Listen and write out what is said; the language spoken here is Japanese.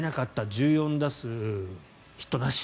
１４打数ヒットなし。